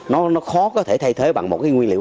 nó khó có thể thay thế bằng một cái nguyên liệu